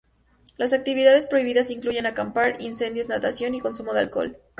Las actividades prohibidas incluyen acampar, incendios, natación y consumo de alcohol.